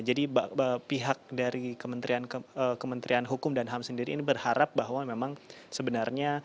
jadi pihak dari kementerian hukum dan ham sendiri ini berharap bahwa memang sebenarnya